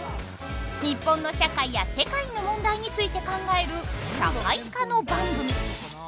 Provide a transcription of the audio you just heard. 日本の社会や世界の問題について考える社会科の番組。